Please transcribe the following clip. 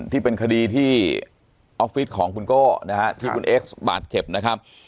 ที่เป็นคดีที่ออฟฟิศของคุณโก้นะฮะที่คุณเอ็กซ์บาดเจ็บนะครับ